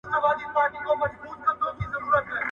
• د غلو وروري خوږه ده، خو پر وېش باندې جگړه ده.